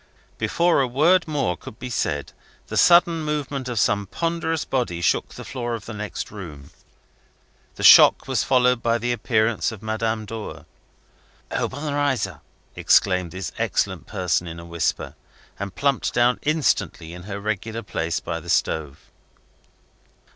Before a word more could be said, the sudden movement of some ponderous body shook the floor of the next room. The shock was followed by the appearance of Madame Dor. "Obenreizer" exclaimed this excellent person in a whisper, and plumped down instantly in her regular place by the stove.